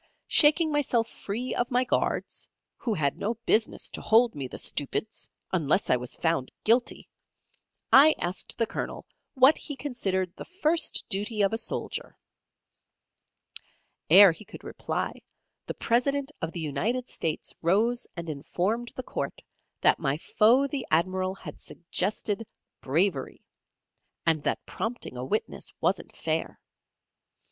Shaking myself free of my guards who had no business to hold me, the stupids! unless I was found guilty I asked the Colonel what he considered the first duty of a soldier? 'Ere he could reply, the President of the United States rose and informed the court that my foe the Admiral had suggested "Bravery," and that prompting a witness wasn't fair.